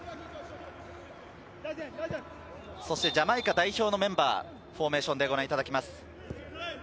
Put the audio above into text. そしてジャマイカ代表のメンバー、フォーメーションでご覧いただきます。